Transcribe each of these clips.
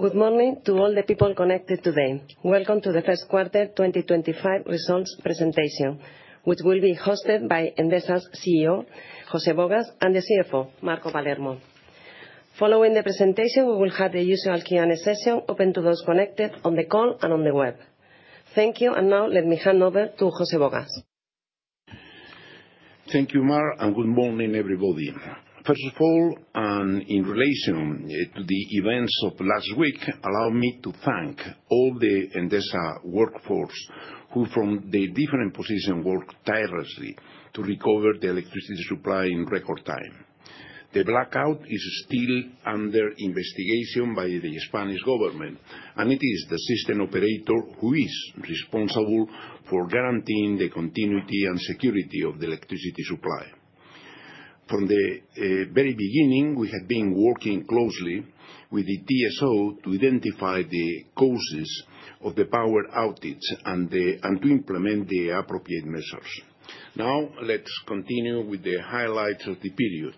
Good morning to all the people connected today. Welcome to the First Quarter 2025 Results presentation, which will be hosted by Endesa's CEO, José Bogas, and the CFO, Marco Palermo. Following the presentation, we will have the usual Q&A session open to those connected on the call and on the web. Thank you, and now let me hand over to José Bogas. Thank you, Mar, and good morning, everybody. First of all, in relation to the events of last week, allow me to thank all the Endesa workforce who, from their different positions, worked tirelessly to recover the electricity supply in record time. The blackout is still under investigation by the Spanish government, and it is the system operator who is responsible for guaranteeing the continuity and security of the electricity supply. From the very beginning, we have been working closely with the TSO to identify the causes of the power outages and to implement the appropriate measures. Now, let's continue with the highlights of the period.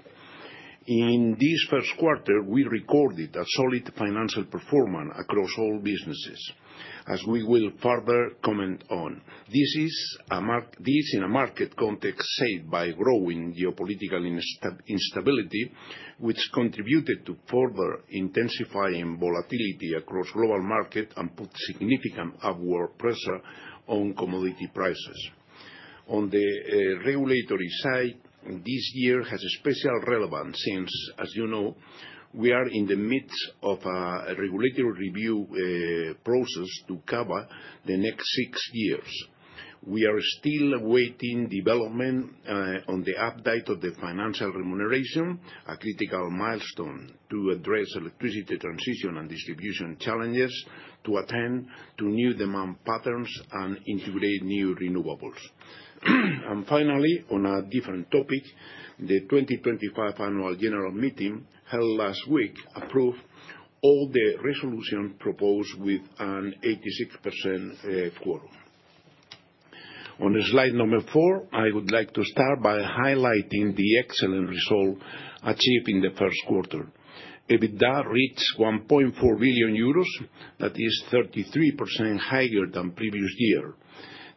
In this first quarter, we recorded a solid financial performance across all businesses, as we will further comment on. This is, in a market context, said by growing geopolitical instability, which contributed to further intensifying volatility across global markets and put significant upward pressure on commodity prices. On the regulatory side, this year has special relevance since, as you know, we are in the midst of a regulatory review process to cover the next six years. We are still awaiting development on the update of the financial remuneration, a critical milestone to address electricity transition and distribution challenges, to attend to new demand patterns, and integrate new renewables. Finally, on a different topic, the 2025 annual general meeting held last week approved all the resolutions proposed with an 86% quorum. On slide number four, I would like to start by highlighting the excellent result achieved in the first quarter. EBITDA reached 1.4 billion euros; that is 33% higher than previous year.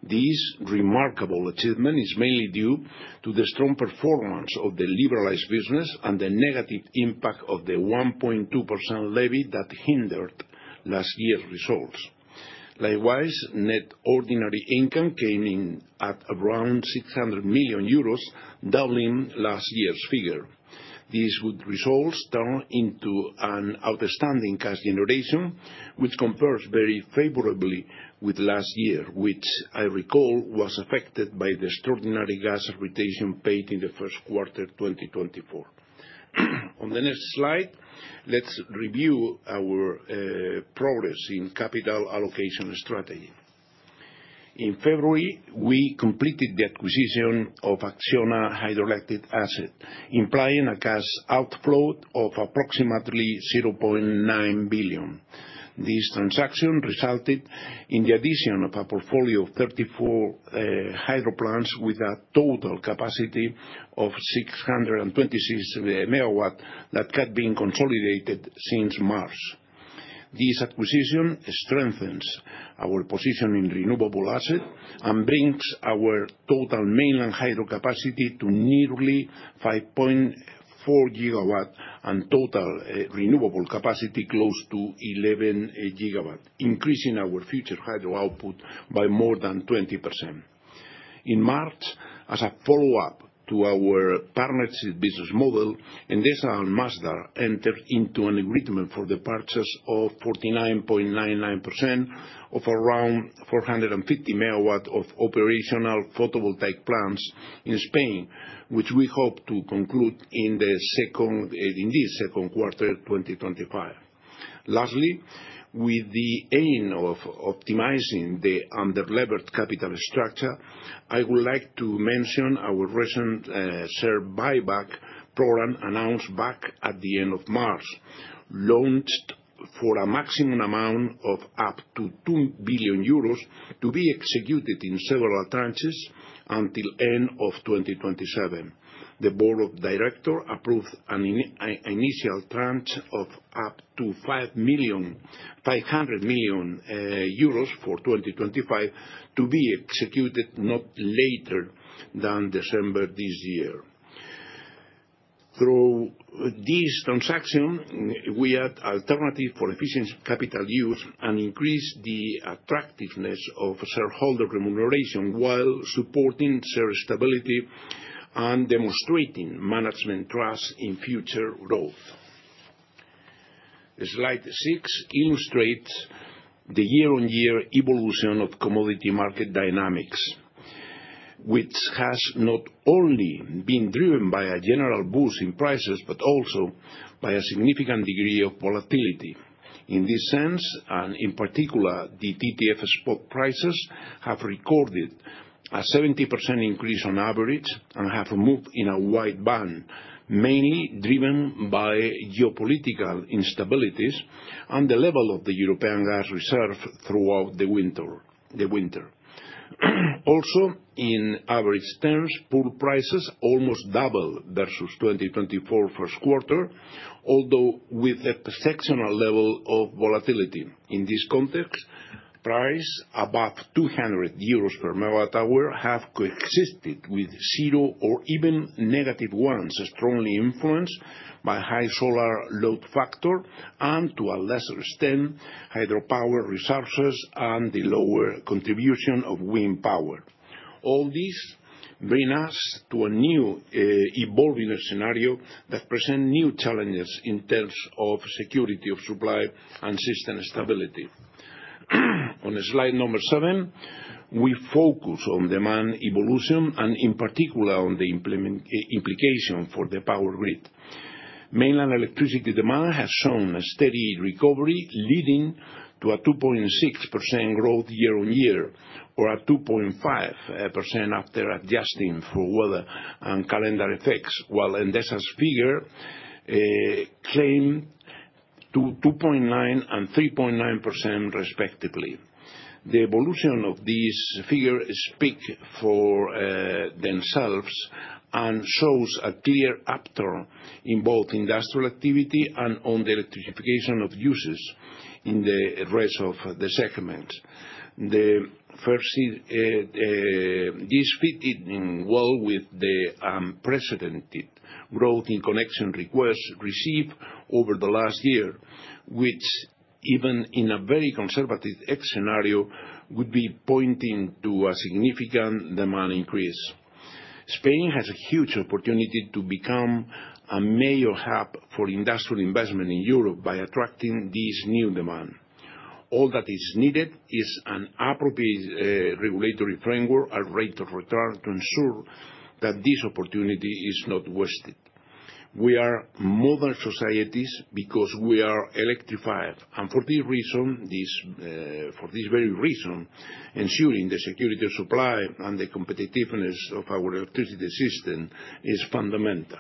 This remarkable achievement is mainly due to the strong performance of the liberalized business and the negative impact of the 1.2% levy that hindered last year's results. Likewise, net ordinary income came in at around 600 million euros, doubling last year's figure. These good results turn into an outstanding cash generation, which compares very favorably with last year, which, I recall, was affected by the extraordinary gas appreciation paid in the first quarter 2024. On the next slide, let's review our progress in capital allocation strategy. In February, we completed the acquisition of Acciona hydroelectric asset, implying a cash outflow of approximately 0.9 billion. This transaction resulted in the addition of a portfolio of 34 hydro plants with a total capacity of 626 MW that had been consolidated since March. This acquisition strengthens our position in renewable assets and brings our total mainland hydro capacity to nearly 5.4 GW and total renewable capacity close to 11 GW, increasing our future hydro output by more than 20%. In March, as a follow-up to our partnership business model, Endesa and Masdar entered into an agreement for the purchase of 49.99% of around 450 MW of operational photovoltaic plants in Spain, which we hope to conclude in this second quarter 2025. Lastly, with the aim of optimizing the underleveraged capital structure, I would like to mention our recent share buyback program announced back at the end of March, launched for a maximum amount of up to 2 billion euros to be executed in several tranches until the end of 2027. The board of directors approved an initial tranche of up to 500 million euros for 2025 to be executed not later than December this year. Through this transaction, we had alternatives for efficient capital use and increased the attractiveness of shareholder remuneration while supporting share stability and demonstrating management trust in future growth. Slide six illustrates the year-on-year evolution of commodity market dynamics, which has not only been driven by a general boost in prices but also by a significant degree of volatility. In this sense, and in particular, the TTF spot prices have recorded a 70% increase on average and have moved in a wide band, mainly driven by geopolitical instabilities and the level of the European gas reserve throughout the winter. Also, in average terms, pool prices almost doubled versus 2024 first quarter, although with exceptional levels of volatility. In this context, prices above 200 euros per MWh have coexisted with zero or even negative ones, strongly influenced by high solar load factor and, to a lesser extent, hydropower resources and the lower contribution of wind power. All these bring us to a new evolving scenario that presents new challenges in terms of security of supply and system stability. On slide number seven, we focus on demand evolution and, in particular, on the implications for the power grid. Mainland electricity demand has shown a steady recovery, leading to a 2.6% growth year-on-year, or 2.5% after adjusting for weather and calendar effects, while Endesa's figure climbed to 2.9% and 3.9%, respectively. The evolution of these figures speaks for themselves and shows a clear upturn in both industrial activity and on the electrification of uses in the rest of the segment. This fits in well with the unprecedented growth in connection requests received over the last year, which, even in a very conservative scenario, would be pointing to a significant demand increase. Spain has a huge opportunity to become a major hub for industrial investment in Europe by attracting this new demand. All that is needed is an appropriate regulatory framework and rate of return to ensure that this opportunity is not wasted. We are modern societies because we are electrified, and for this very reason, ensuring the security of supply and the competitiveness of our electricity system is fundamental.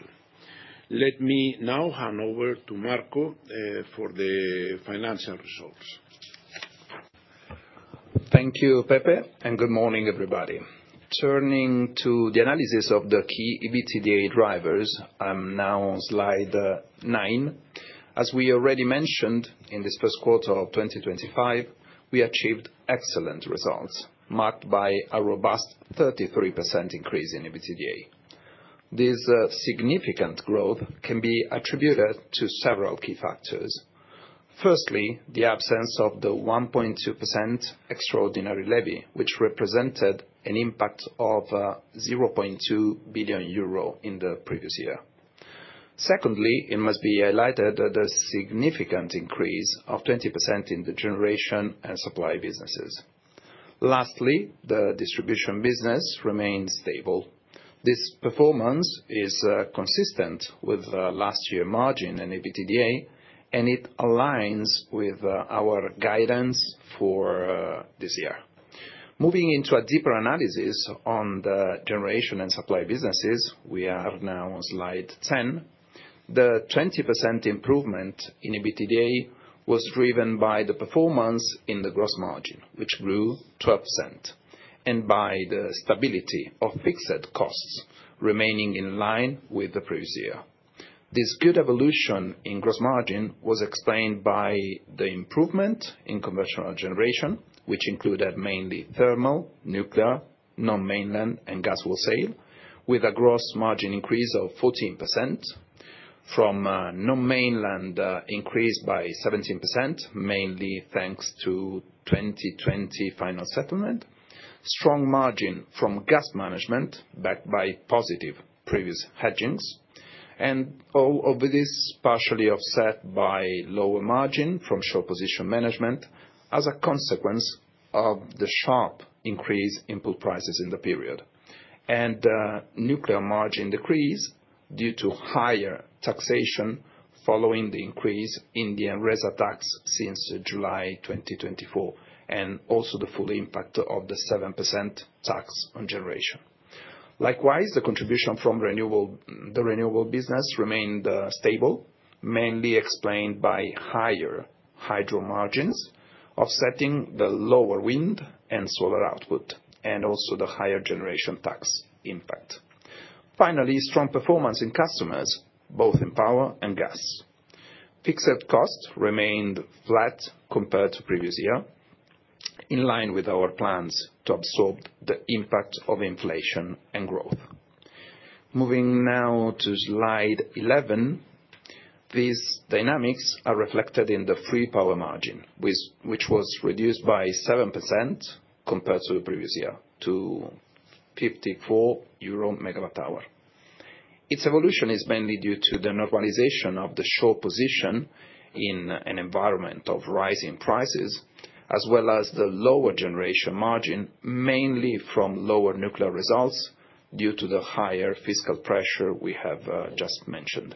Let me now hand over to Marco for the financial results. Thank you, Pepe, and good morning, everybody. Turning to the analysis of the key EBITDA drivers, I'm now on slide nine. As we already mentioned, in this first quarter of 2025, we achieved excellent results, marked by a robust 33% increase in EBITDA. This significant growth can be attributed to several key factors. Firstly, the absence of the 1.2% extraordinary levy, which represented an impact of 0.2 billion euro in the previous year. Secondly, it must be highlighted the significant increase of 20% in the generation and supply businesses. Lastly, the distribution business remained stable. This performance is consistent with last year's margin in EBITDA, and it aligns with our guidance for this year. Moving into a deeper analysis on the generation and supply businesses, we are now on slide 10. The 20% improvement in EBITDA was driven by the performance in the gross margin, which grew 12%, and by the stability of fixed costs remaining in line with the previous year. This good evolution in gross margin was explained by the improvement in conventional generation, which included mainly thermal, nuclear, non-mainland, and gas fuel sale, with a gross margin increase of 14%, from a non-mainland increase by 17%, mainly thanks to 2020 final settlement, strong margin from gas management backed by positive previous hedgings, and all of this partially offset by lower margin from short position management as a consequence of the sharp increase in pool prices in the period, and the nuclear margin decrease due to higher taxation following the increase in the Enresa tax since July 2024, and also the full impact of the 7% tax on generation. Likewise, the contribution from the renewable business remained stable, mainly explained by higher hydro margins offsetting the lower wind and solar output, and also the higher generation tax impact. Finally, strong performance in customers, both in power and gas. Fixed costs remained flat compared to the previous year, in line with our plans to absorb the impact of inflation and growth. Moving now to slide 11, these dynamics are reflected in the free power margin, which was reduced by 7% compared to the previous year, to 54 euro per MWh. Its evolution is mainly due to the normalization of the short position in an environment of rising prices, as well as the lower generation margin, mainly from lower nuclear results due to the higher fiscal pressure we have just mentioned.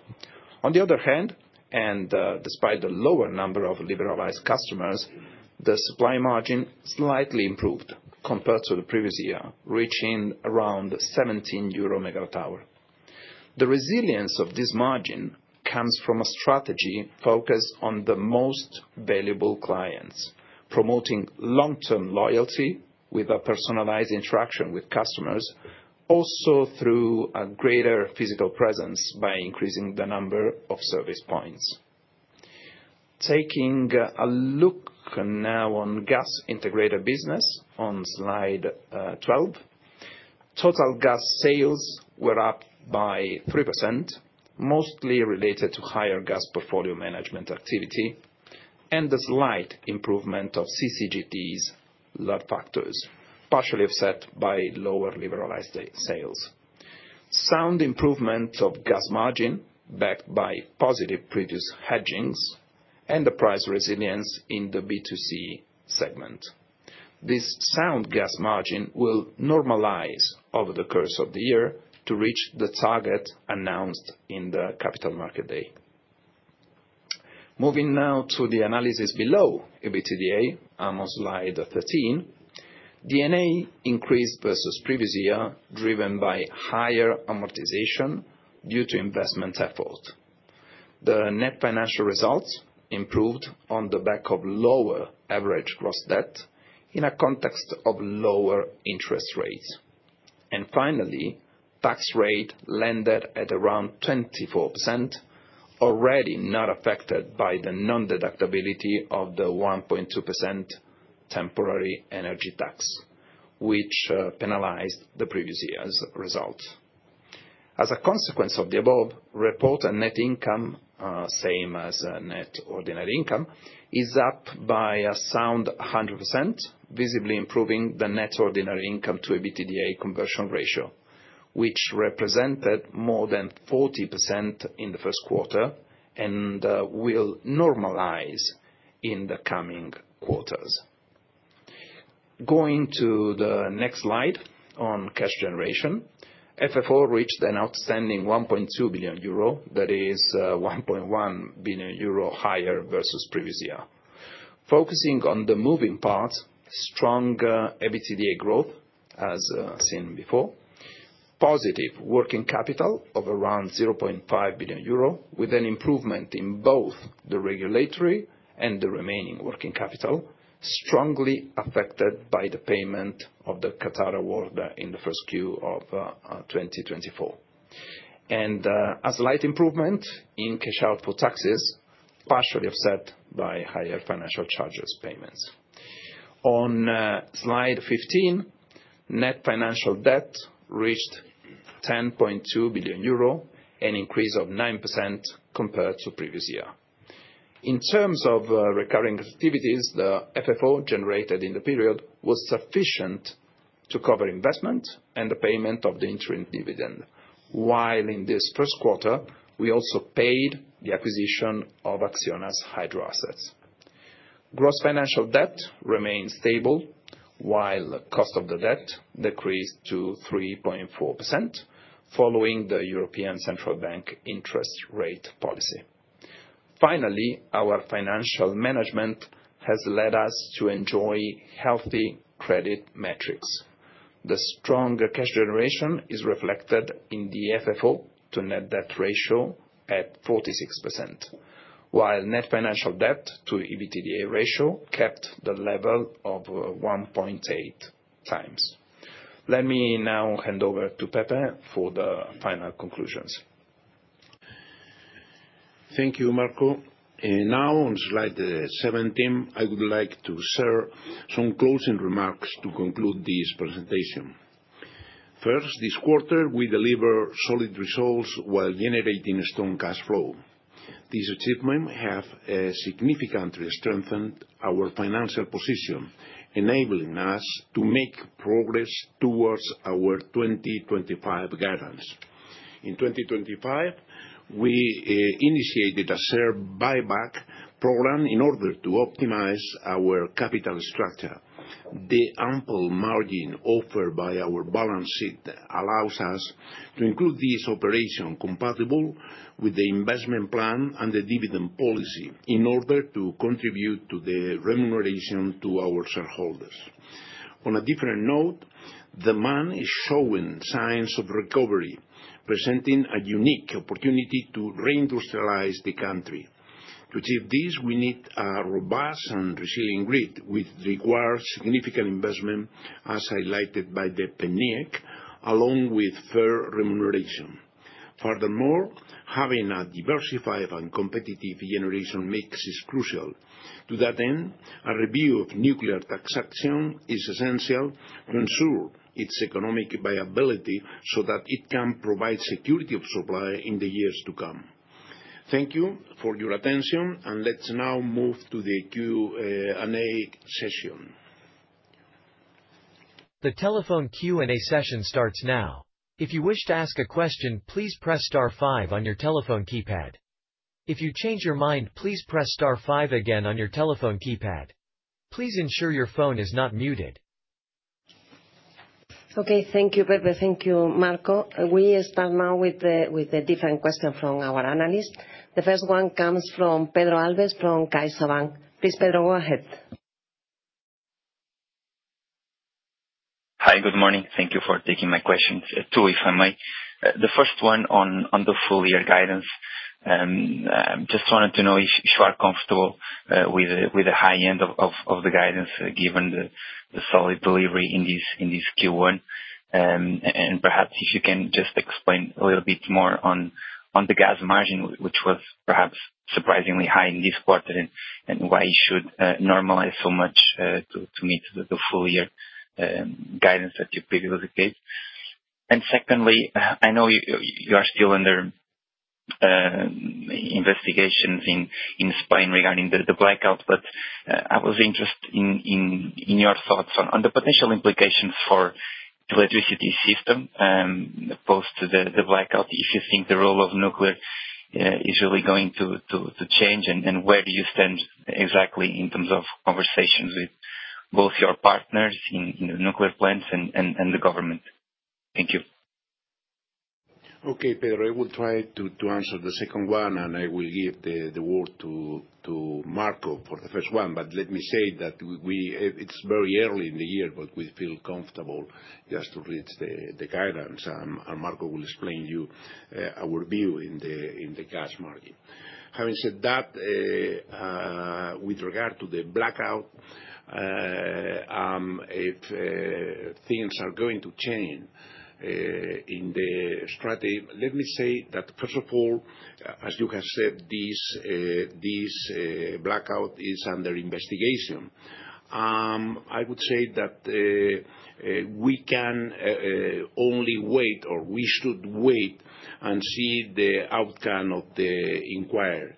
On the other hand, and despite the lower number of liberalized customers, the supply margin slightly improved compared to the previous year, reaching around 17 euro per MWh. The resilience of this margin comes from a strategy focused on the most valuable clients, promoting long-term loyalty with a personalized interaction with customers, also through a greater physical presence by increasing the number of service points. Taking a look now on gas integrator business on slide 12, total gas sales were up by 3%, mostly related to higher gas portfolio management activity and the slight improvement of CCGT's load factors, partially offset by lower liberalized sales. Sound improvement of gas margin backed by positive previous hedgings and the price resilience in the B2C segment. This sound gas margin will normalize over the course of the year to reach the target announced in the capital market day. Moving now to the analysis below EBITDA, I'm on slide 13. D&A increased versus previous year, driven by higher amortization due to investment effort. The net financial results improved on the back of lower average gross debt in a context of lower interest rates. Finally, tax rate landed at around 24%, already not affected by the non-deductibility of the 1.2% temporary energy tax, which penalized the previous year's results. As a consequence of the above, reported net income, same as net ordinary income, is up by a sound 100%, visibly improving the net ordinary income to EBITDA conversion ratio, which represented more than 40% in the first quarter and will normalize in the coming quarters. Going to the next slide on cash generation, FFO reached an outstanding 1.2 billion euro, that is 1.1 billion euro higher versus previous year. Focusing on the moving parts, stronger EBITDA growth, as seen before, positive working capital of around 0.5 billion euro, with an improvement in both the regulatory and the remaining working capital, strongly affected by the payment of the Qatar award in the first Q of 2024. A slight improvement in cash output taxes, partially offset by higher financial charges payments. On slide 15, net financial debt reached 10.2 billion euro, an increase of 9% compared to previous year. In terms of recurring activities, the FFO generated in the period was sufficient to cover investment and the payment of the interim dividend, while in this first quarter, we also paid the acquisition of Acciona's hydro assets. Gross financial debt remained stable, while the cost of the debt decreased to 3.4%, following the European Central Bank interest rate policy. Finally, our financial management has led us to enjoy healthy credit metrics. The strong cash generation is reflected in the FFO to net debt ratio at 46%, while net financial debt to EBITDA ratio kept the level of 1.8 times. Let me now hand over to Pepe for the final conclusions. Thank you, Marco. Now, on slide 17, I would like to share some closing remarks to conclude this presentation. First, this quarter, we deliver solid results while generating strong cash flow. This achievement has significantly strengthened our financial position, enabling us to make progress towards our 2025 guidance. In 2025, we initiated a share buyback program in order to optimize our capital structure. The ample margin offered by our balance sheet allows us to include this operation compatible with the investment plan and the dividend policy in order to contribute to the remuneration to our shareholders. On a different note, demand is showing signs of recovery, presenting a unique opportunity to reindustrialize the country. To achieve this, we need a robust and resilient grid, which requires significant investment, as highlighted by the PNIEC, along with fair remuneration. Furthermore, having a diversified and competitive generation mix is crucial. To that end, a review of nuclear taxation is essential to ensure its economic viability so that it can provide security of supply in the years to come. Thank you for your attention, and let's now move to the Q&A session. The telephone Q&A session starts now. If you wish to ask a question, please press star five on your telephone keypad. If you change your mind, please press star five again on your telephone keypad. Please ensure your phone is not muted. Okay, thank you, Pepe. Thank you, Marco. We start now with the different questions from our analysts. The first one comes from Pedro Alves from CaixaBank. Please, Pedro, go ahead. Hi, good morning. Thank you for taking my questions, too, if I may. The first one on the full-year guidance, I just wanted to know if you are comfortable with the high end of the guidance, given the solid delivery in this Q1. Perhaps if you can just explain a little bit more on the gas margin, which was perhaps surprisingly high in this quarter, and why it should normalize so much to meet the full-year guidance that you previously gave. Secondly, I know you are still under investigations in Spain regarding the blackout, but I was interested in your thoughts on the potential implications for the electricity system post the blackout. If you think the role of nuclear is really going to change, and where do you stand exactly in terms of conversations with both your partners in the nuclear plants and the government? Thank you. Okay, Pedro, I will try to answer the second one, and I will give the word to Marco for the first one. Let me say that it's very early in the year, but we feel comfortable just to read the guidance, and Marco will explain to you our view in the gas market. Having said that, with regard to the blackout, if things are going to change in the strategy, let me say that, first of all, as you have said, this blackout is under investigation. I would say that we can only wait, or we should wait, and see the outcome of the inquiry.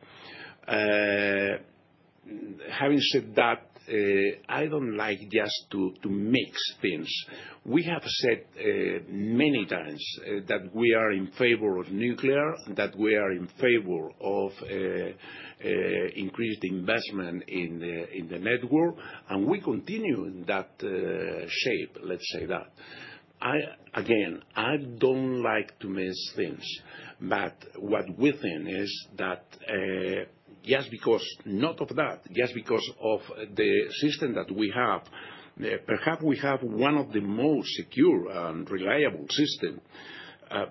Having said that, I don't like just to mix things. We have said many times that we are in favor of nuclear, that we are in favor of increased investment in the network, and we continue in that shape, let's say that. Again, I don't like to mix things, but what we think is that just because not of that, just because of the system that we have, perhaps we have one of the most secure and reliable systems,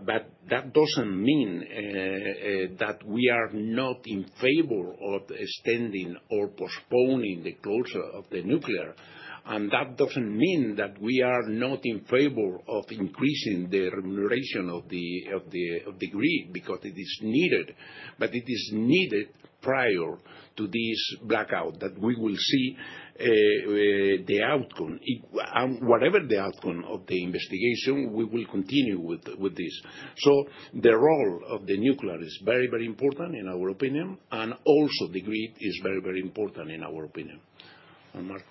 but that doesn't mean that we are not in favor of extending or postponing the closure of the nuclear. That doesn't mean that we are not in favor of increasing the remuneration of the grid because it is needed, but it is needed prior to this blackout that we will see the outcome. Whatever the outcome of the investigation, we will continue with this. The role of the nuclear is very, very important in our opinion, and also the grid is very, very important in our opinion. Marco.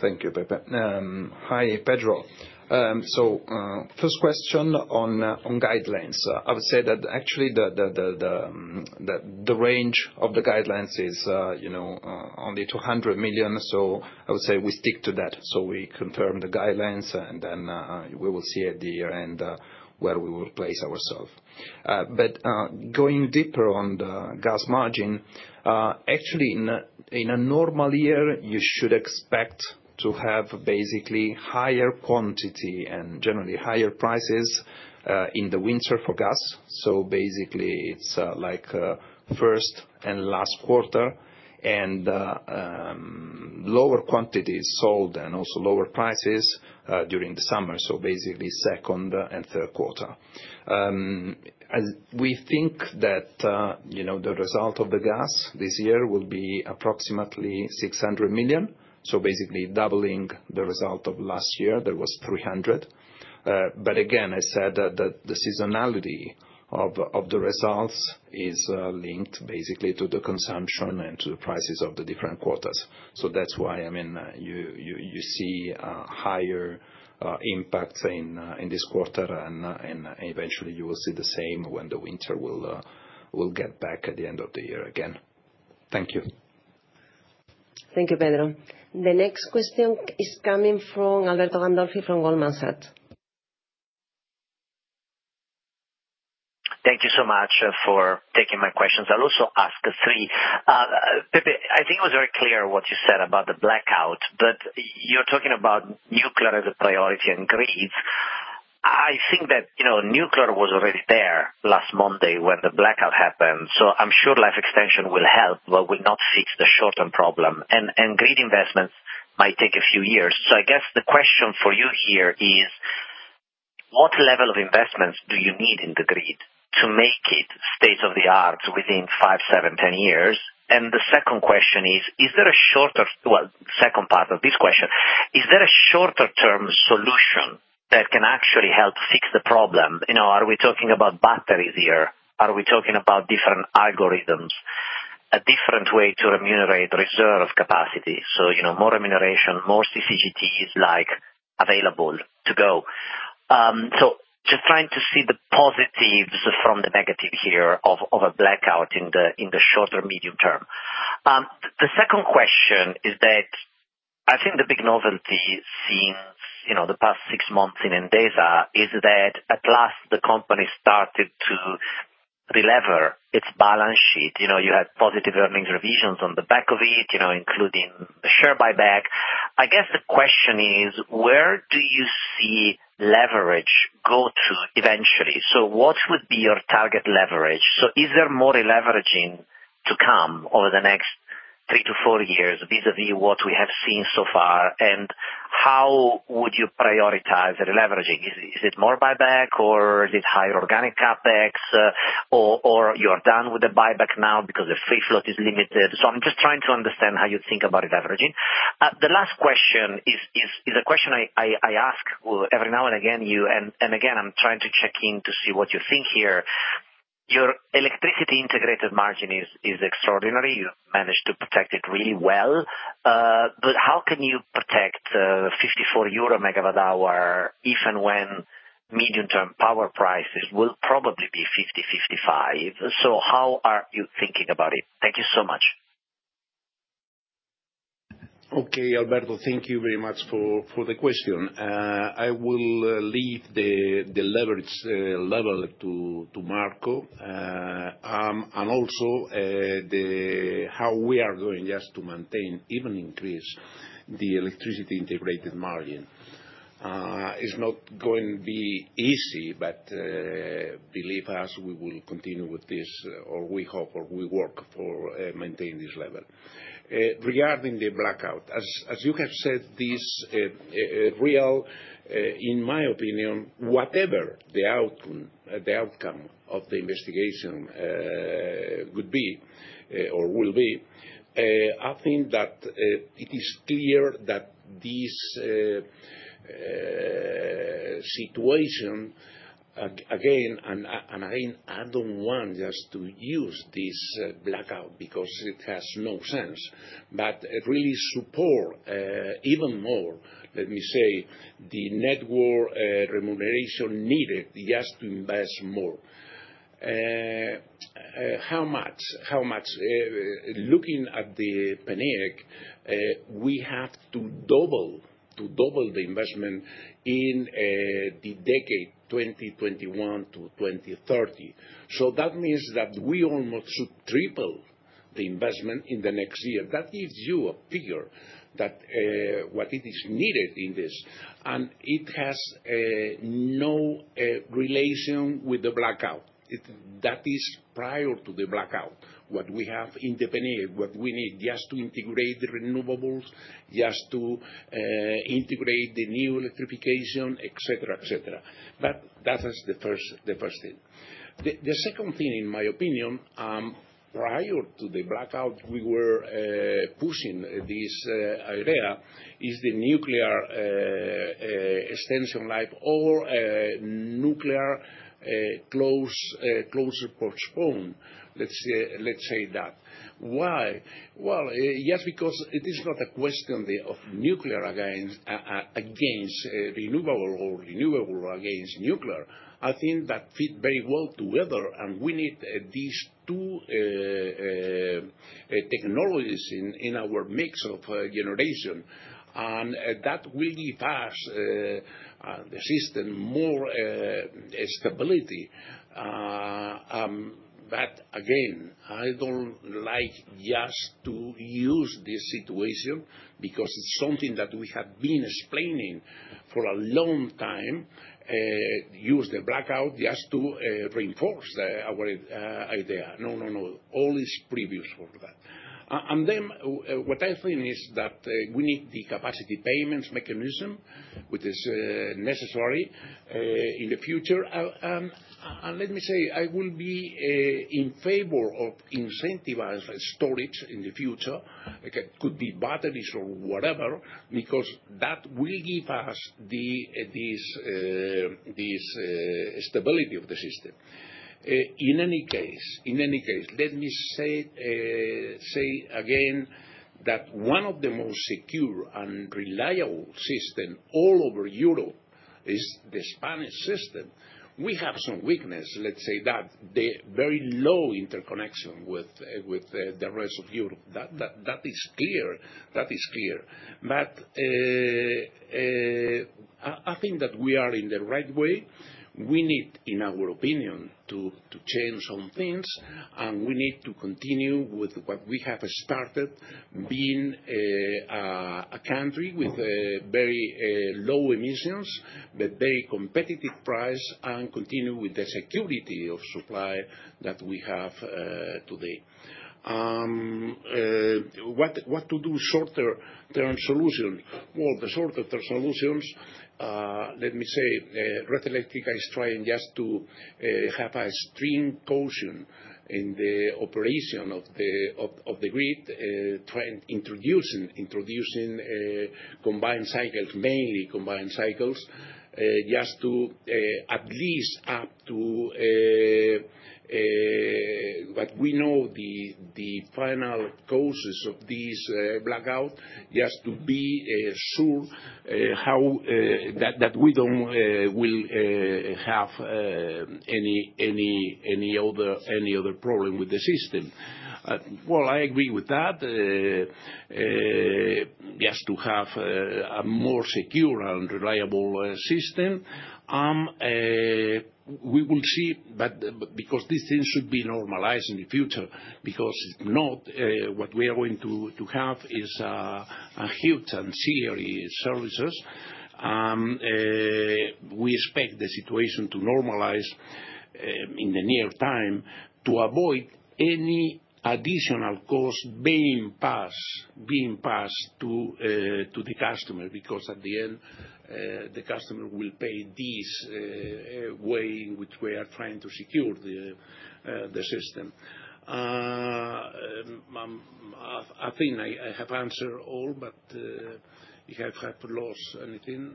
Thank you, Pepe. Hi, Pedro. First question on guidelines. I would say that actually the range of the guidelines is only 200 million, so I would say we stick to that. We confirm the guidelines, and then we will see at the year-end where we will place ourselves. Going deeper on the gas margin, actually in a normal year, you should expect to have basically higher quantity and generally higher prices in the winter for gas. Basically it is first and last quarter, and lower quantities sold and also lower prices during the summer. Basically second and third quarter. We think that the result of the gas this year will be approximately 600 million, basically doubling the result of last year, that was 300 million. Again, I said that the seasonality of the results is linked basically to the consumption and to the prices of the different quarters. That is why, I mean, you see higher impacts in this quarter, and eventually you will see the same when the winter will get back at the end of the year again. Thank you. Thank you, Pedro. The next question is coming from Alberto Gandolfi from Goldman Sachs. Thank you so much for taking my questions. I'll also ask three. Pepe, I think it was very clear what you said about the blackout, but you're talking about nuclear as a priority and grids. I think that nuclear was already there last Monday when the blackout happened, so I'm sure life extension will help, but will not fix the short-term problem. Grid investments might take a few years. I guess the question for you here is, what level of investments do you need in the grid to make it state-of-the-art within five, seven, 10 years? The second question is, is there a shorter, well, second part of this question, is there a shorter-term solution that can actually help fix the problem? Are we talking about batteries here? Are we talking about different algorithms, a different way to remunerate reserve capacity? More remuneration, more CCGTs available to go. Just trying to see the positives from the negatives here of a blackout in the shorter medium term. The second question is that I think the big novelty since the past six months in Endesa is that at last the company started to re-lever its balance sheet. You had positive earnings revisions on the back of it, including the share buyback. I guess the question is, where do you see leverage go to eventually? What would be your target leverage? Is there more leveraging to come over the next three to four years vis-à-vis what we have seen so far, and how would you prioritize the leveraging? Is it more buyback, or is it higher organic CapEx, or you're done with the buyback now because the free float is limited? I'm just trying to understand how you think about leveraging. The last question is a question I ask every now and again you, and again, I'm trying to check in to see what you think here. Your electricity integrated margin is extraordinary. You managed to protect it really well. How can you protect 54 euro per MWh if and when medium-term power prices will probably be 50-55? How are you thinking about it? Thank you so much. Okay, Alberto, thank you very much for the question. I will leave the leverage level to Marco. Also, how we are going just to maintain, even increase, the electricity integrated margin. It's not going to be easy, but believe us, we will continue with this, or we hope, or we work for maintaining this level. Regarding the blackout, as you have said, this is real, in my opinion. Whatever the outcome of the investigation could be or will be, I think that it is clear that this situation, again and again, I don't want just to use this blackout because it has no sense, but it really supports even more, let me say, the network remuneration needed just to invest more. How much? Looking at the PNIEC, we have to double the investment in the decade 2021 to 2030. That means that we almost should triple the investment in the next year. That gives you a figure that what it is needed in this, and it has no relation with the blackout. That is prior to the blackout, what we have in the PNIEC, what we need just to integrate the renewables, just to integrate the new electrification, etc., etc. That is the first thing. The second thing, in my opinion, prior to the blackout, we were pushing this idea, is the nuclear extension life or nuclear closure postpone, let's say that. Why? Yes, because it is not a question of nuclear against renewable or renewable against nuclear. I think that fit very well together, and we need these two technologies in our mix of generation. That will give us, the system, more stability. Again, I don't like just to use this situation because it's something that we have been explaining for a long time, use the blackout just to reinforce our idea. No, no, no. All is previous for that. What I think is that we need the capacity payments mechanism, which is necessary in the future. Let me say, I will be in favor of incentivizing storage in the future. It could be batteries or whatever, because that will give us this stability of the system. In any case, in any case, let me say again that one of the most secure and reliable systems all over Europe is the Spanish system. We have some weakness, let's say that, the very low interconnection with the rest of Europe. That is clear. That is clear. I think that we are in the right way. We need, in our opinion, to change some things, and we need to continue with what we have started, being a country with very low emissions, but very competitive price, and continue with the security of supply that we have today. What to do, shorter-term solutions? The shorter-term solutions, let me say, Red Eléctrica is trying just to have a strong caution in the operation of the grid, trying to introduce and introduce combined cycles, mainly combined cycles, just to at least up to what we know, the final causes of this blackout, just to be sure that we do not will have any other problem with the system. I agree with that, just to have a more secure and reliable system. We will see, because these things should be normalized in the future, because if not, what we are going to have is huge and scary services. We expect the situation to normalize in the near time to avoid any additional cost being passed to the customer, because at the end, the customer will pay this way in which we are trying to secure the system. I think I have answered all, but you have lost anything?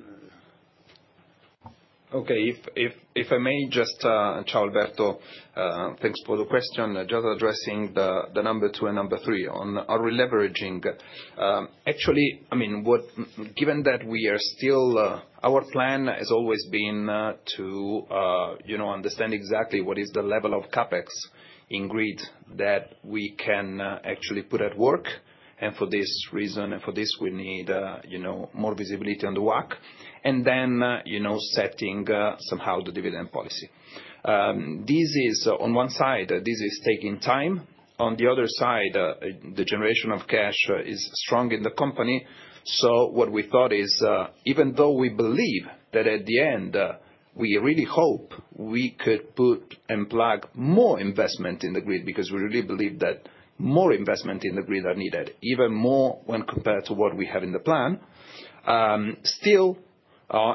Okay. If I may just, Ciao Alberto, thanks for the question, just addressing the number two and number three on are we leveraging. Actually, I mean, given that we are still, our plan has always been to understand exactly what is the level of CapEx in grid that we can actually put at work. For this reason, and for this, we need more visibility on the work, and then setting somehow the dividend policy. This is, on one side, this is taking time. On the other side, the generation of cash is strong in the company. What we thought is, even though we believe that at the end, we really hope we could put and plug more investment in the grid, because we really believe that more investment in the grid are needed, even more when compared to what we have in the plan. Still,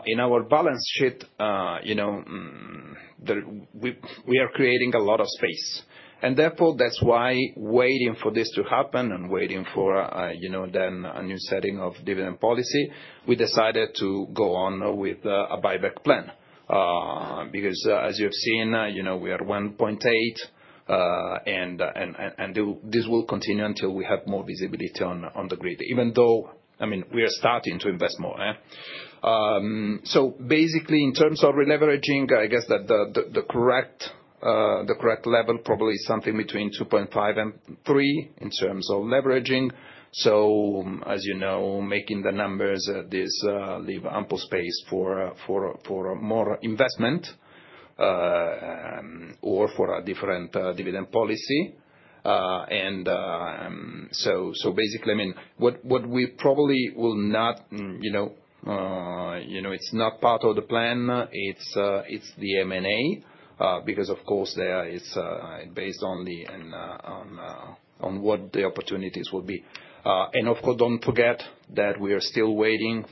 in our balance sheet, we are creating a lot of space. Therefore, that's why waiting for this to happen and waiting for then a new setting of dividend policy, we decided to go on with a buyback plan. Because as you have seen, we are 1.8, and this will continue until we have more visibility on the grid, even though, I mean, we are starting to invest more. Basically, in terms of re-leveraging, I guess that the correct level probably is something between 2.5 and 3 in terms of leveraging. As you know, making the numbers leave ample space for more investment or for a different dividend policy. Basically, I mean, what we probably will not, it's not part of the plan. It's the M&A, because of course, there is based only on what the opportunities will be. Of course, do not forget that we are still waiting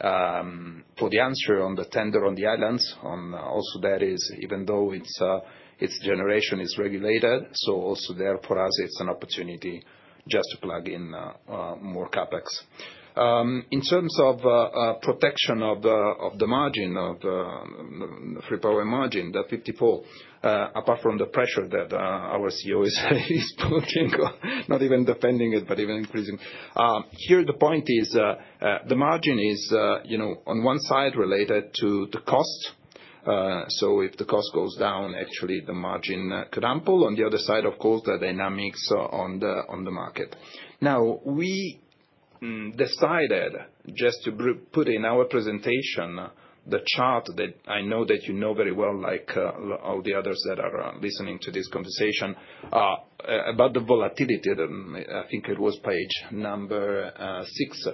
for the answer on the tender on the islands. Also, that is, even though its generation is regulated, so also there for us, it is an opportunity just to plug in more CapEx. In terms of protection of the margin, of free power margin, the 54, apart from the pressure that our CEO is putting, not even defending it, but even increasing. Here, the point is the margin is, on one side, related to the cost. If the cost goes down, actually, the margin could ample. On the other side, of course, the dynamics on the market. Now, we decided just to put in our presentation the chart that I know that you know very well, like all the others that are listening to this conversation, about the volatility. I think it was page number six.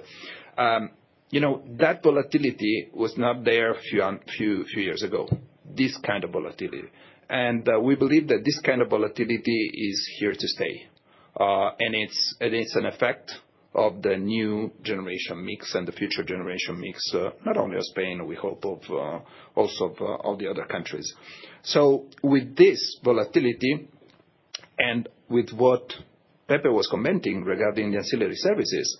That volatility was not there a few years ago, this kind of volatility. We believe that this kind of volatility is here to stay. It is an effect of the new generation mix and the future generation mix, not only of Spain, we hope also of all the other countries. With this volatility and with what Pepe was commenting regarding the ancillary services,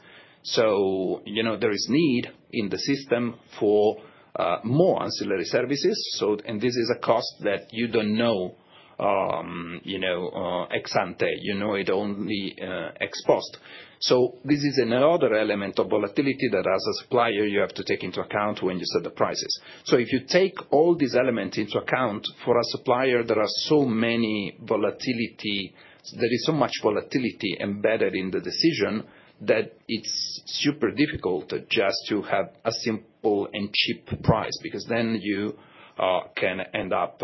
there is need in the system for more ancillary services. This is a cost that you do not know ex ante. You know it only ex post. This is another element of volatility that as a supplier, you have to take into account when you set the prices. If you take all these elements into account, for a supplier, there are so many volatilities, there is so much volatility embedded in the decision that it's super difficult just to have a simple and cheap price, because then you can end up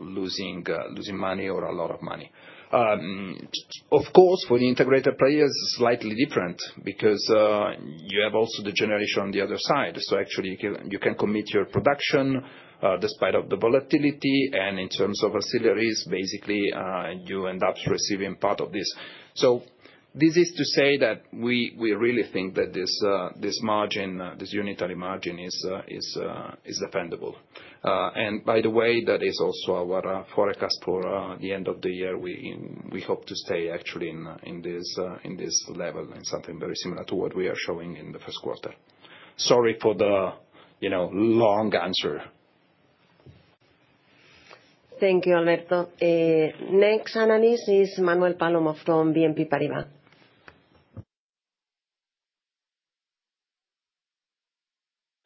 losing money or a lot of money. Of course, for the integrated players, slightly different, because you have also the generation on the other side. Actually, you can commit your production despite the volatility. In terms of ancillaries, basically, you end up receiving part of this. This is to say that we really think that this margin, this unitary margin is defendable. By the way, that is also our forecast for the end of the year. We hope to stay actually in this level and something very similar to what we are showing in the first quarter. Sorry for the long answer. Thank you, Alberto. Next analyst is Manuel Palomo from BNP Paribas.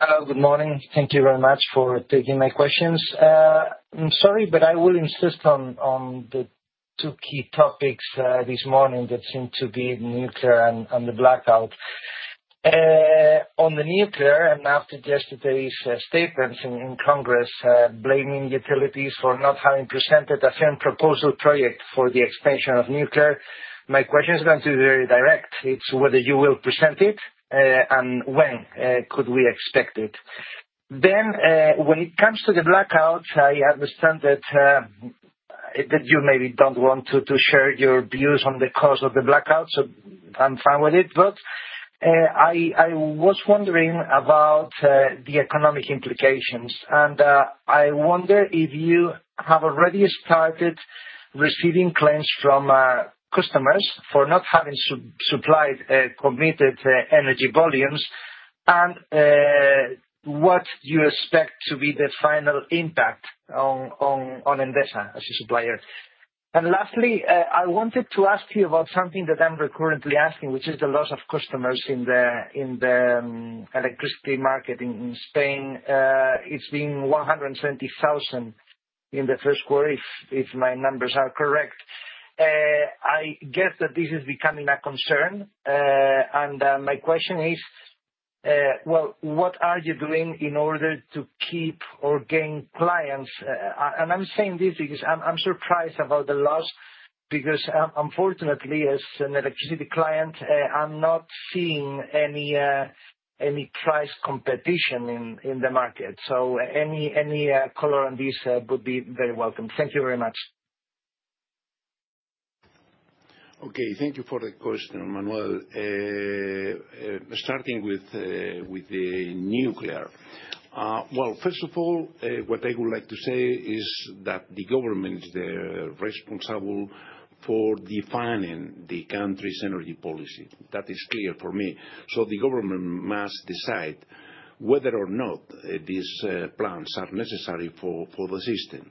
Hello, good morning. Thank you very much for taking my questions. I'm sorry, but I will insist on the two key topics this morning that seem to be nuclear and the blackout. On the nuclear, and after just today's statements in Congress blaming utilities for not having presented a firm proposal project for the expansion of nuclear, my question is going to be very direct. It's whether you will present it and when could we expect it. When it comes to the blackouts, I understand that you maybe don't want to share your views on the cause of the blackouts, so I'm fine with it. I was wondering about the economic implications. I wonder if you have already started receiving claims from customers for not having supplied committed energy volumes, and what you expect to be the final impact on Endesa as a supplier. Lastly, I wanted to ask you about something that I'm recurrently asking, which is the loss of customers in the electricity market in Spain. It's been 170,000 in the first quarter, if my numbers are correct. I guess that this is becoming a concern. My question is, what are you doing in order to keep or gain clients? I'm saying this because I'm surprised about the loss, because unfortunately, as an electricity client, I'm not seeing any price competition in the market. Any color on this would be very welcome. Thank you very much. Okay. Thank you for the question, Manuel. Starting with the nuclear. First of all, what I would like to say is that the government is responsible for defining the country's energy policy. That is clear for me. The government must decide whether or not these plans are necessary for the system.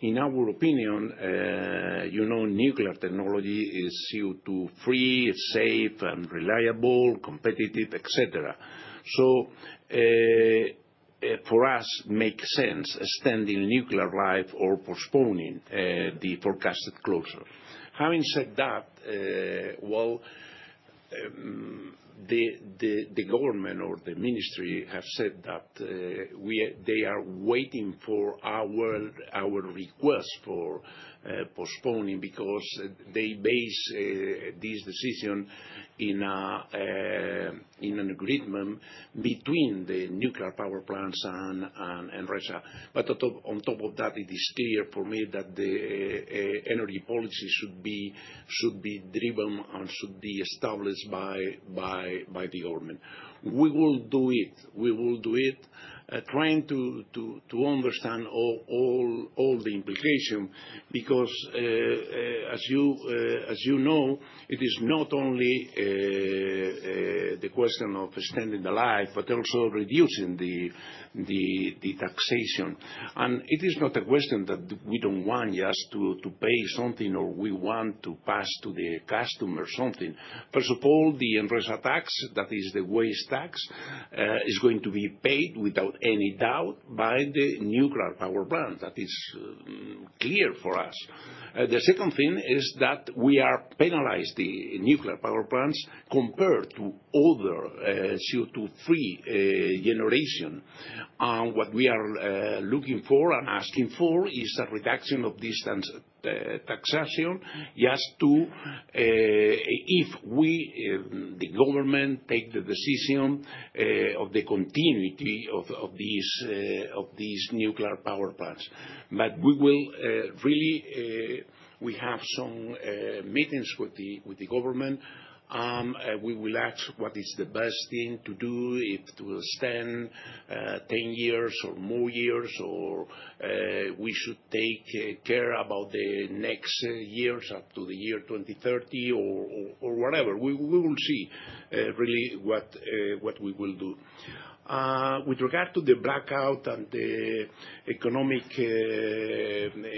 In our opinion, nuclear technology is CO2-free, safe, and reliable, competitive, etc. For us, it makes sense extending nuclear life or postponing the forecasted closure. Having said that, the government or the ministry has said that they are waiting for our request for postponing because they base this decision in an agreement between the nuclear power plants and Enresa. On top of that, it is clear for me that the energy policy should be driven and should be established by the government. We will do it. We will do it, trying to understand all the implications, because as you know, it is not only the question of extending the life, but also reducing the taxation. It is not a question that we do not want just to pay something or we want to pass to the customer something. First of all, the Enresa tax, that is the waste tax, is going to be paid, without any doubt, by the nuclear power plant. That is clear for us. The second thing is that we are penalizing the nuclear power plants compared to other CO2-free generation. What we are looking for and asking for is a reduction of this taxation just to if we, the government, take the decision of the continuity of these nuclear power plants. We really have some meetings with the government, and we will ask what is the best thing to do, if to extend 10 years or more years, or we should take care about the next years up to the year 2030 or whatever. We will see really what we will do. With regard to the blackout and the economic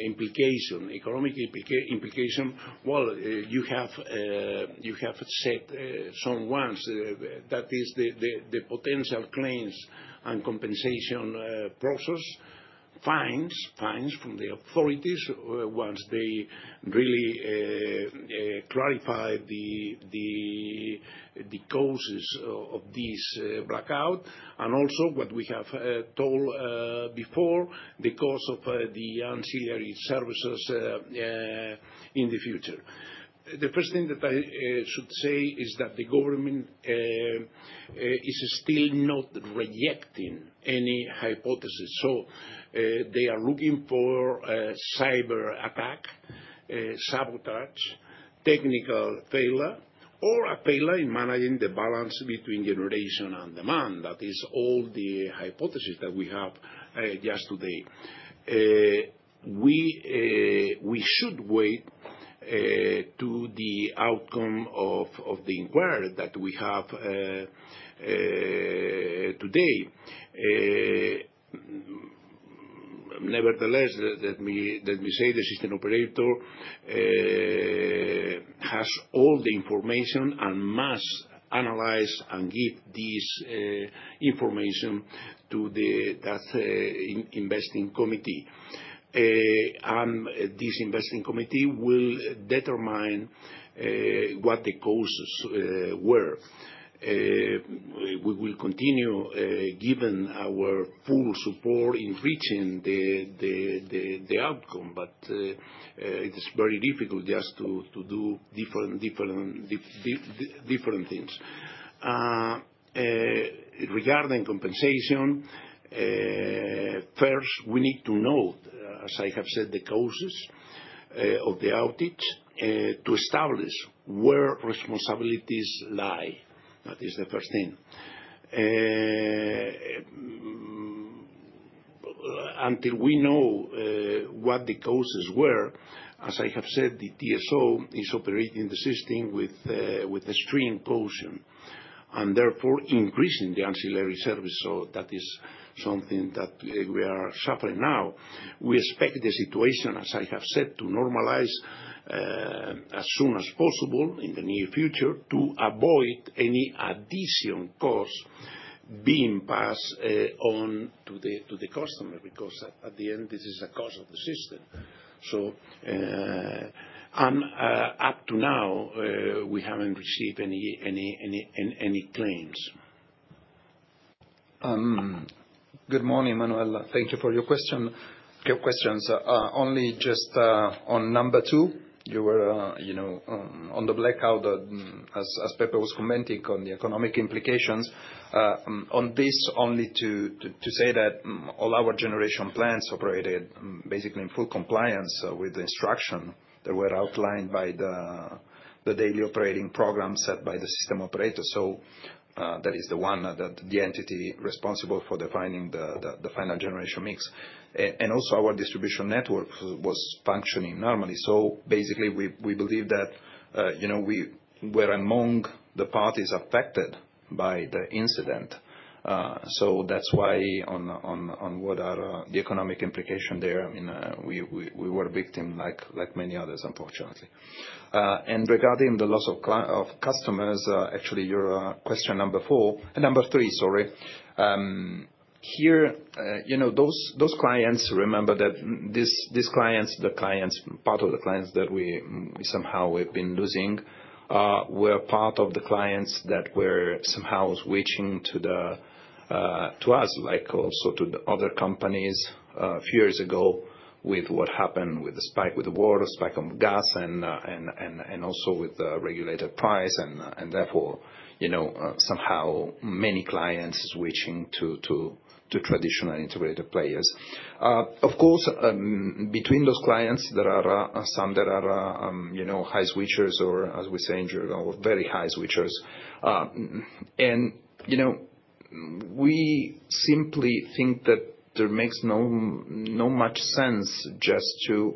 implication, economic implication, you have said some ones that is the potential claims and compensation process, fines from the authorities once they really clarify the causes of this blackout, and also what we have told before, the cost of the ancillary services in the future. The first thing that I should say is that the government is still not rejecting any hypothesis. They are looking for a cyber attack, sabotage, technical failure, or a failure in managing the balance between generation and demand. That is all the hypotheses that we have just today. We should wait to the outcome of the inquiry that we have today. Nevertheless, let me say the system operator has all the information and must analyze and give this information to that investing committee. This investing committee will determine what the causes were. We will continue giving our full support in reaching the outcome, but it is very difficult just to do different things. Regarding compensation, first, we need to know, as I have said, the causes of the outage to establish where responsibilities lie. That is the first thing. Until we know what the causes were, as I have said, the TSO is operating the system with extreme caution, and therefore increasing the ancillary service. That is something that we are suffering now. We expect the situation, as I have said, to normalize as soon as possible in the near future to avoid any additional cost being passed on to the customer, because at the end, this is a cost of the system. Up to now, we haven't received any claims. Good morning, Manuel. Thank you for your questions. Only just on number two, you were on the blackout, as Pepe was commenting on the economic implications. On this, only to say that all our generation plants operated basically in full compliance with the instruction that were outlined by the daily operating program set by the system operator. That is the one that the entity responsible for defining the final generation mix. Also, our distribution network was functioning normally. Basically, we believe that we were among the parties affected by the incident. That is why on what are the economic implications there, I mean, we were a victim like many others, unfortunately. Regarding the loss of customers, actually, your question number four, number three, sorry. Here, those clients, remember that these clients, the clients, part of the clients that we somehow have been losing, were part of the clients that were somehow switching to us, like also to other companies a few years ago with what happened with the spike with the war, the spike of gas, and also with the regulated price. Therefore, somehow many clients switching to traditional integrated players. Of course, between those clients, there are some that are high switchers or, as we say in general, very high switchers. We simply think that there makes no much sense just to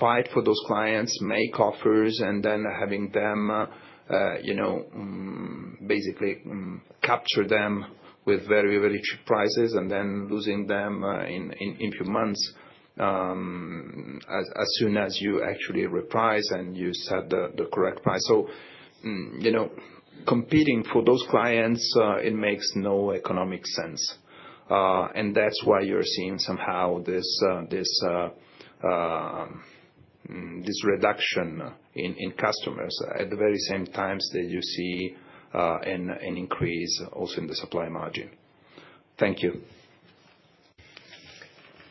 fight for those clients, make offers, and then having them basically capture them with very, very cheap prices, and then losing them in a few months as soon as you actually reprice and you set the correct price. Competing for those clients, it makes no economic sense. That is why you're seeing somehow this reduction in customers at the very same times that you see an increase also in the supply margin. Thank you.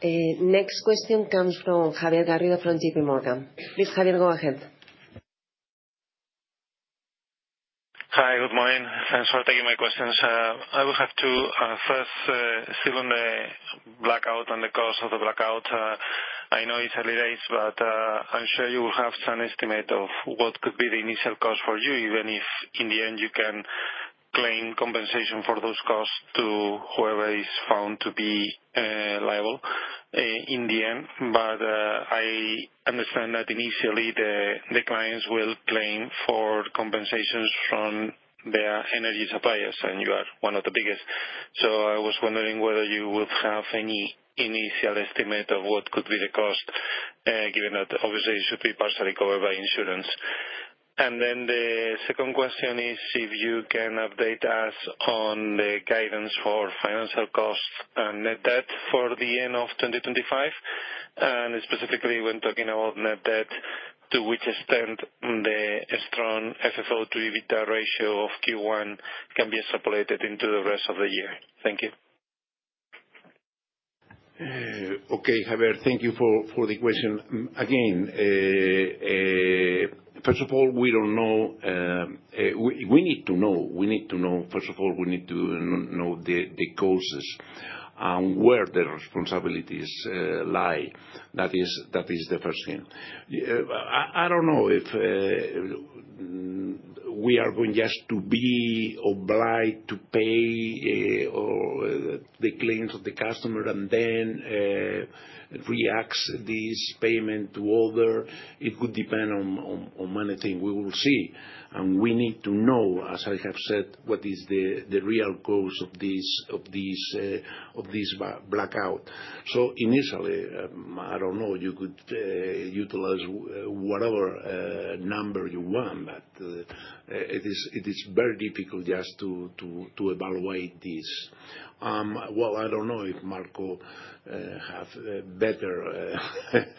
Next question comes from Javier Garrido from JPMorgan. Please, Javier, go ahead. Hi, good morning. Thanks for taking my questions. I will have to answer still on the blackout and the cause of the blackout. I know it's early days, but I'm sure you will have some estimate of what could be the initial cost for you, even if in the end you can claim compensation for those costs to whoever is found to be liable in the end. I understand that initially the clients will claim for compensations from their energy suppliers, and you are one of the biggest. I was wondering whether you would have any initial estimate of what could be the cost, given that obviously it should be partially covered by insurance. The second question is if you can update us on the guidance for financial costs and net debt for the end of 2025. Specifically, when talking about net debt, to which extent the strong FFO to EBITDA ratio of Q1 can be separated into the rest of the year? Thank you. Okay, Javier, thank you for the question. First of all, we need to know the causes and where the responsibilities lie. That is the first thing. I don't know if we are going to be obliged to pay the claims of the customer and then react this payment to other. It could depend on many things. We will see. We need to know, as I have said, what is the real cause of this blackout. Initially, I don't know, you could utilize whatever number you want, but it is very difficult just to evaluate this. I don't know if Marco has a better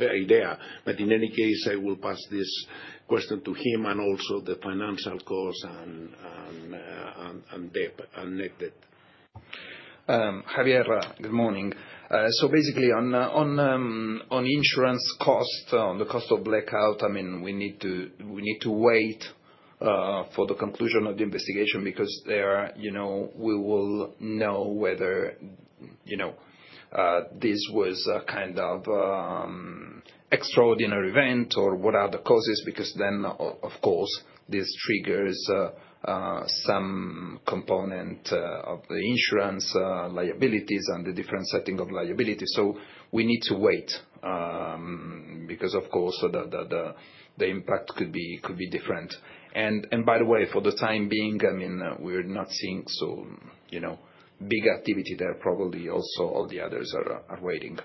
idea, but in any case, I will pass this question to him and also the financial costs and net debt. Javier, good morning. Basically, on insurance costs, on the cost of blackout, I mean, we need to wait for the conclusion of the investigation because we will know whether this was a kind of extraordinary event or what are the causes, because then, of course, this triggers some component of the insurance liabilities and the different setting of liability. We need to wait because, of course, the impact could be different. By the way, for the time being, I mean, we're not seeing so big activity there. Probably also all the others are waiting.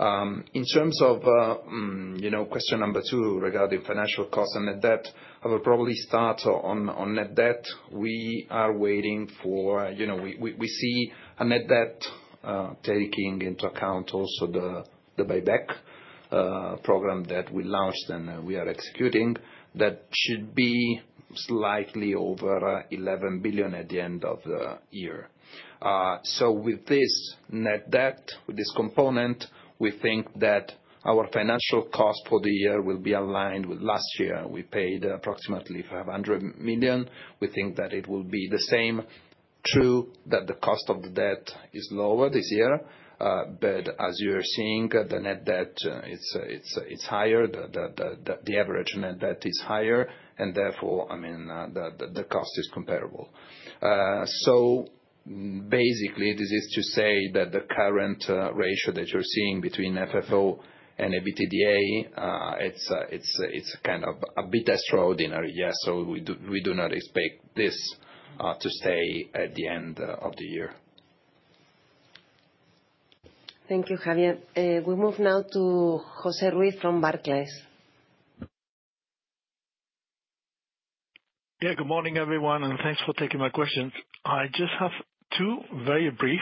In terms of question number two regarding financial costs and net debt, I will probably start on net debt. We are waiting for we see a net debt taking into account also the buyback program that we launched and we are executing that should be slightly over 11 billion at the end of the year. With this net debt, with this component, we think that our financial cost for the year will be aligned with last year. We paid approximately 500 million. We think that it will be the same, true that the cost of the debt is lower this year, but as you're seeing, the net debt is higher. The average net debt is higher, and therefore, I mean, the cost is comparable. This is to say that the current ratio that you're seeing between FFO and EBITDA, it's kind of a bit extraordinary, yes. We do not expect this to stay at the end of the year. Thank you, Javier. We move now to Jose Ruiz from Barclays. Yeah, good morning, everyone, and thanks for taking my questions. I just have two very brief.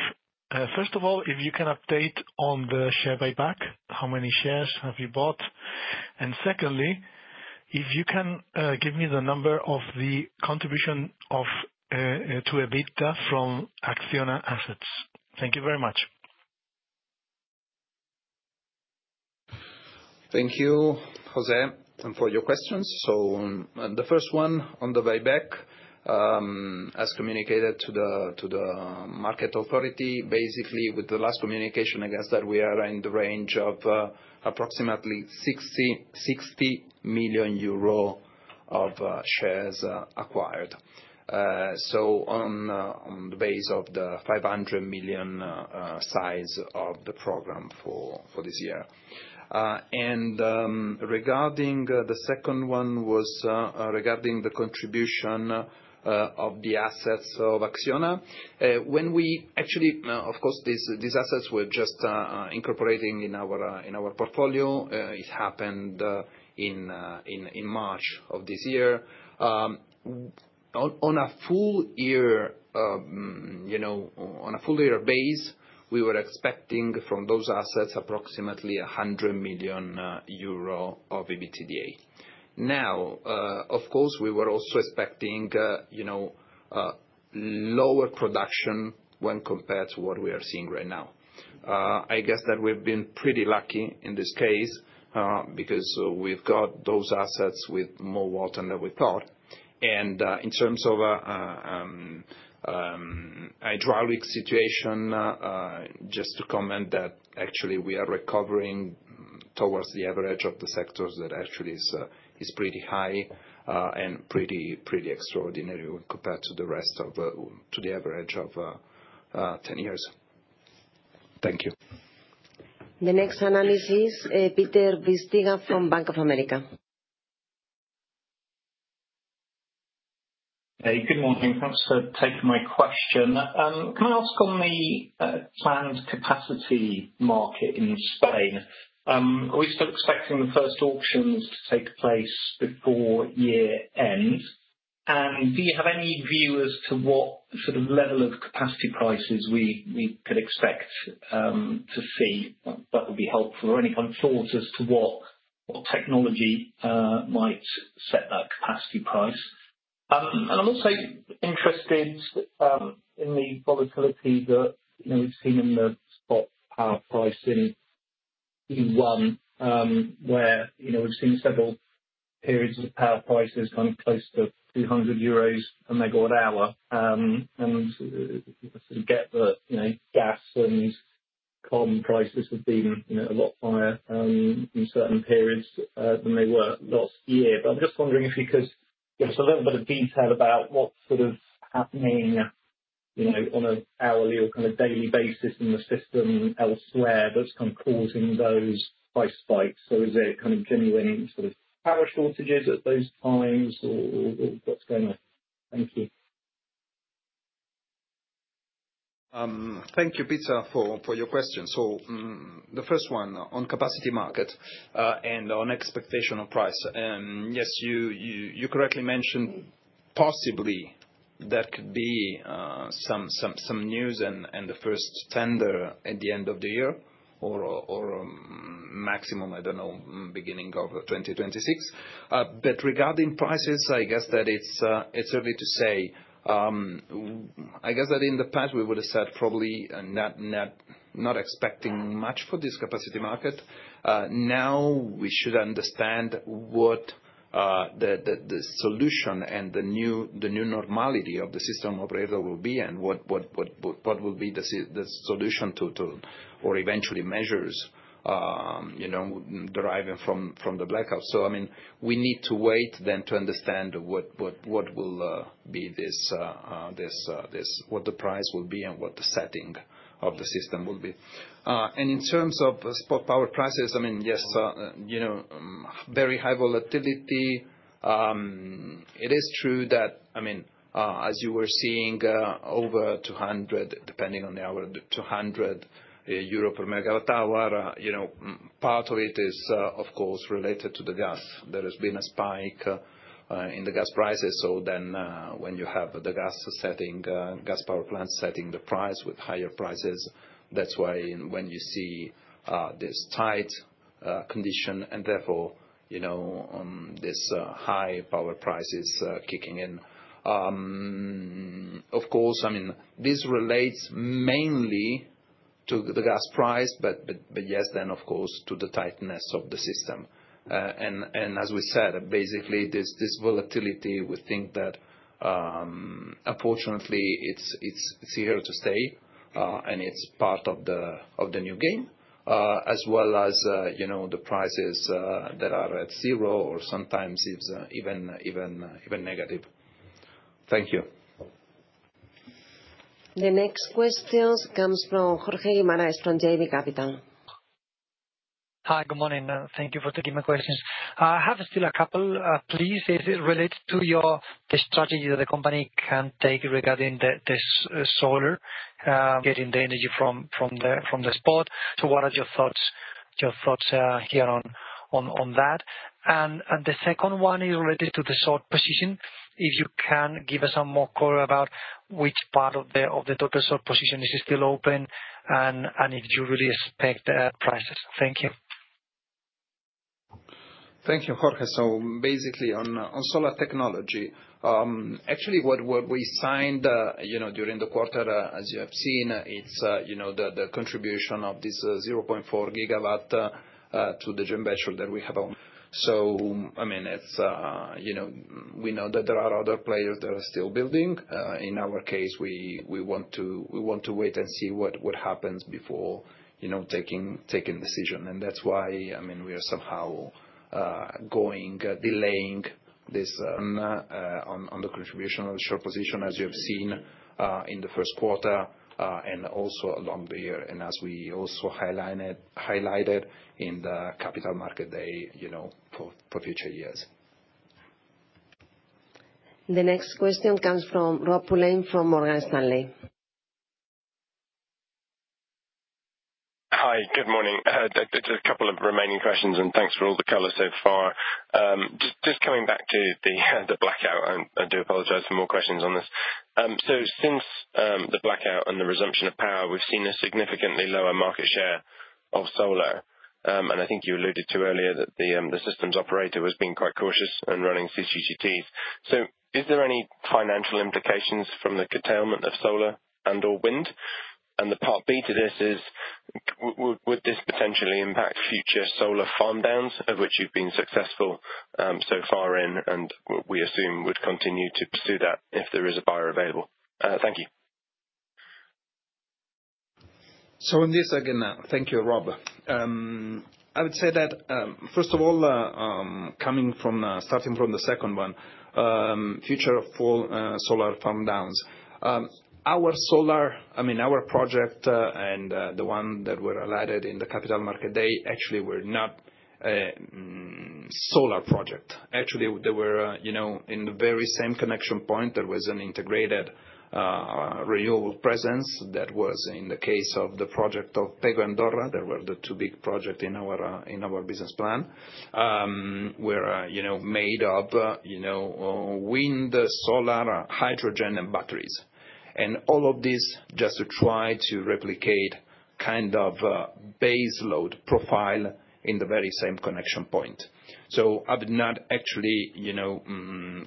First of all, if you can update on the share buyback, how many shares have you bought? Secondly, if you can give me the number of the contribution to EBITDA from Acciona assets. Thank you very much. Thank you, José, for your questions. The first one on the buyback, as communicated to the market authority, basically with the last communication, I guess that we are in the range of approximately 60 million euro of shares acquired. On the base of the 500 million size of the program for this year. Regarding the second one, it was regarding the contribution of the assets of Acciona. When we actually, of course, these assets were just incorporated in our portfolio. It happened in March of this year. On a full year, on a full year base, we were expecting from those assets approximately 100 million euro of EBITDA. Now, of course, we were also expecting lower production when compared to what we are seeing right now. I guess that we've been pretty lucky in this case because we've got those assets with more water than we thought. In terms of hydraulic situation, just to comment that actually we are recovering towards the average of the sectors that actually is pretty high and pretty extraordinary when compared to the rest of the average of 10 years. Thank you. The next analyst is, Peter Bisztyga from Bank of America. Hey, good morning. Thanks for taking my question. Can I ask on the planned capacity market in Spain? Are we still expecting the first auctions to take place before year-end? Do you have any view as to what sort of level of capacity prices we could expect to see that would be helpful? Any kind of thoughts as to what technology might set that capacity price? I'm also interested in the volatility that we've seen in the spot power price in Q1, where we've seen several periods of power prices kind of close to 200 euros per MWh. I sort of get that gas and carbon prices have been a lot higher in certain periods than they were last year. I'm just wondering if you could give us a little bit of detail about what's sort of happening on an hourly or kind of daily basis in the system elsewhere that's kind of causing those price spikes. Is it kind of genuine sort of power shortages at those times or what's going on? Thank you. Thank you, Peter, for your question. The first one on capacity market and on expectation of price. Yes, you correctly mentioned possibly there could be some news and the first tender at the end of the year or maximum, I don't know, beginning of 2026. Regarding prices, I guess that it's early to say. I guess that in the past, we would have said probably not expecting much for this capacity market. Now we should understand what the solution and the new normality of the system operator will be and what will be the solution or eventually measures deriving from the blackout. I mean, we need to wait to understand what will be this, what the price will be and what the setting of the system will be. In terms of spot power prices, I mean, yes, very high volatility. It is true that, I mean, as you were seeing over 200, depending on the hour, 200 euro per MWh, part of it is, of course, related to the gas. There has been a spike in the gas prices. When you have the gas setting, gas power plant setting the price with higher prices, that's why you see this tight condition and therefore this high power prices kicking in. Of course, I mean, this relates mainly to the gas price, but yes, then of course to the tightness of the system. As we said, basically this volatility, we think that unfortunately it's here to stay and it's part of the new game, as well as the prices that are at zero or sometimes even negative. Thank you. The next question comes from Jorge Guimarães from JB Capital. Hi, good morning. Thank you for taking my questions. I have still a couple. Please, is it related to your strategy that the company can take regarding this solar? Getting the energy from the spot. What are your thoughts here on that? The second one is related to the short position. If you can give us some more color about which part of the total short position is still open and if you really expect prices. Thank you. Thank you, Jorge. Basically on solar technology, actually what we signed during the quarter, as you have seen, is the contribution of this 0.4 GW to the joint venture that we have. I mean, we know that there are other players that are still building. In our case, we want to wait and see what happens before taking a decision. That is why I mean we are somehow going delaying this. On the contribution of the short position, as you have seen in the first quarter and also along the year. As we also highlighted in the capital market day for future years. The next question comes from Rob Pulleyn from Morgan Stanley. Hi, good morning. There's a couple of remaining questions and thanks for all the color so far. Just coming back to the blackout, I do apologize for more questions on this. Since the blackout and the resumption of power, we've seen a significantly lower market share of solar. I think you alluded to earlier that the systems operator was being quite cautious and running CCGTs. Is there any financial implications from the curtailment of solar and/or wind? The part B to this is, would this potentially impact future solar farm downs of which you've been successful so far in and we assume would continue to pursue that if there is a buyer available? Thank you. Again, thank you, Rob. I would say that first of all, coming from starting from the second one, future of full solar farm downs. Our solar, I mean, our project and the one that were alerted in the capital market day, actually were not solar projects. Actually, they were in the very same connection point. There was an integrated renewable presence that was in the case of the project of Pego, Andorra. There were the two big projects in our business plan. We're made of wind, solar, hydrogen, and batteries. All of this just to try to replicate kind of baseload profile in the very same connection point. I would not actually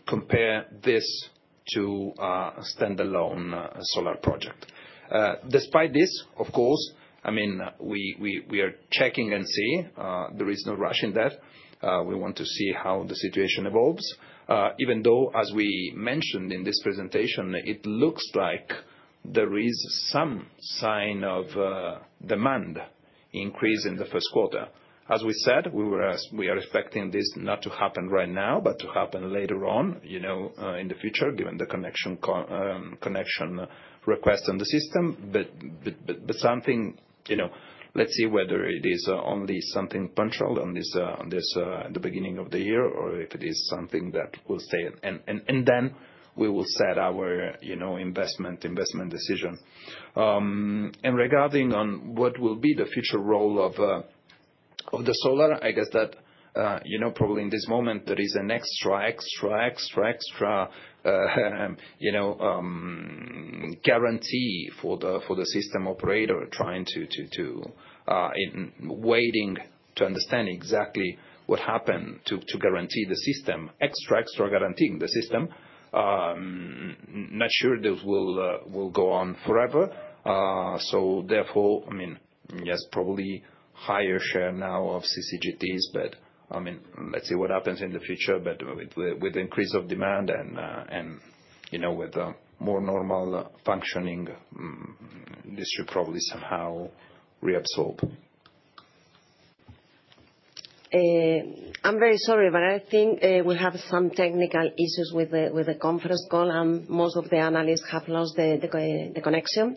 compare this to a standalone solar project. Despite this, of course, I mean, we are checking and see. There is no rush in that. We want to see how the situation evolves. Even though, as we mentioned in this presentation, it looks like there is some sign of demand increase in the first quarter. As we said, we are expecting this not to happen right now, but to happen later on in the future, given the connection requests on the system. Let's see whether it is only something punctual at the beginning of the year or if it is something that will stay. We will set our investment decision. Regarding what will be the future role of the solar, I guess that probably in this moment, there is an extra, extra, extra, extra guarantee for the system operator waiting to understand exactly what happened to guarantee the system, extra, extra guaranteeing the system. Not sure this will go on forever. Therefore, I mean, yes, probably higher share now of CCGTs, but I mean, let's see what happens in the future. With the increase of demand and with more normal functioning, this should probably somehow reabsorb. I'm very sorry, but I think we have some technical issues with the conference call and most of the analysts have lost the connection.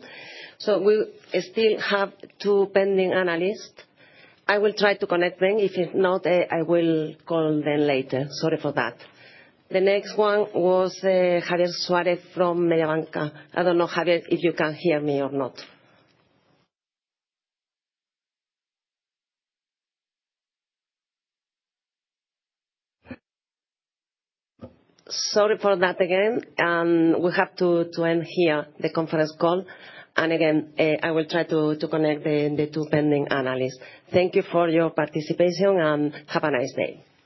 We still have two pending analysts. I will try to connect them. If not, I will call them later. Sorry for that. The next one was Javier Suárez from Mediobanca. I don't know, Javier, if you can hear me or not. Sorry for that again. We have to end here the conference call. Again, I will try to connect the two pending analysts. Thank you for your participation and have a nice day.